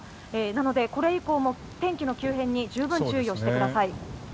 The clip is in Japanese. なので、これ以降も天気の急変に十分注意をしてください。